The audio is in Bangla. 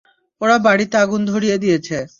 ওরা বাড়িতে আগুন ধরিয়ে দিয়েছে।